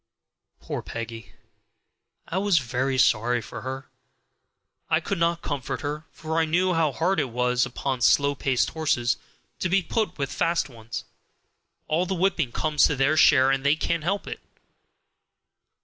Poor Peggy! I was very sorry for her, and I could not comfort her, for I knew how hard it was upon slow paced horses to be put with fast ones; all the whipping comes to their share, and they can't help it.